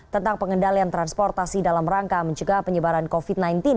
tentang pengendalian transportasi dalam rangka mencegah penyebaran covid sembilan belas